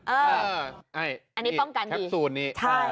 อันนี้ป้องกันดี